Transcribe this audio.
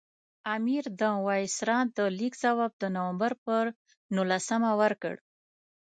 امیر د وایسرا د لیک ځواب د نومبر پر نولسمه ورکړ.